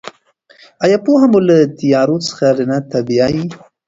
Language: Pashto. آیا پوهه مو له تیارو څخه رڼا ته بیايي؟